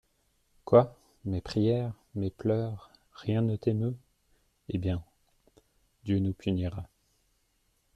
Quoi ! mes prières, mes pleurs, rien ne t'émeut ! Eh bien ! Dieu nous punira.